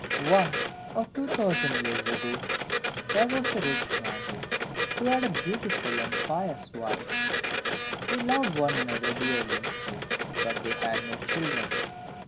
One or two thousand years ago, there was a rich man, who had a beautiful and pious wife; they loved one another dearly, but they had no children.